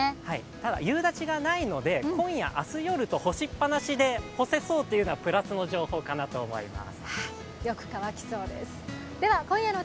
ただ夕立がないので今夜、明日夜と干しっぱなしで干せそうというのはプラスの情報かなと思います。